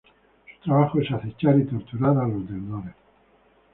Su trabajo es acechar y torturar a los deudores.